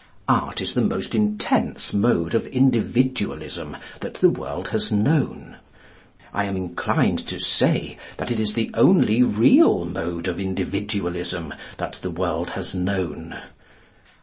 Art is the most intense mode of Individualism that the world has known. I am inclined to say that it is the only real mode of Individualism that the world has known.